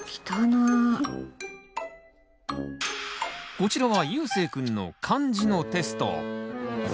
こちらはゆうせいくんの漢字のテスト。